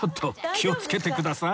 気をつけてください